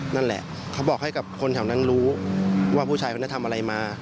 นั่นแหละเขาบอกให้กับคนแถวนั้นรู้ว่าผู้ชายคนนั้นทำอะไรมา